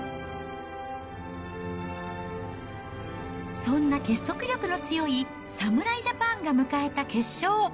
そんな結束力の強い侍ジャパンが迎えた決勝。